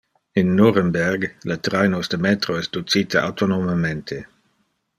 In Nuremberg le trainos de metro es ducite autonomemente.